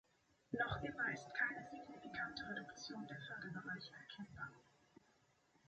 Noch immer ist keine signifikante Reduktion der Förderbereiche erkennbar.